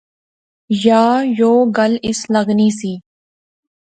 یا یو گل اس لغنی سی